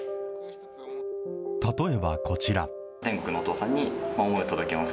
例えばこちら。